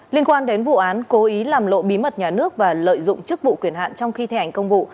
liên quan đến vụ án cố ý làm lộ bí mật nhà nước và lợi dụng chức vụ quyền hạn trong khi thi hành công vụ